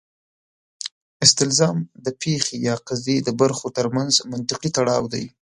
استلزام د پېښې یا قضیې د برخو ترمنځ منطقي تړاو دی.